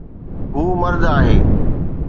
هو مرد آهي